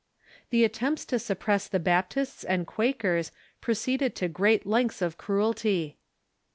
The attempts to suppress the Baptists and Quakers proceeded to great lengths of cruelty.